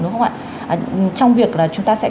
đúng không ạ trong việc là chúng ta sẽ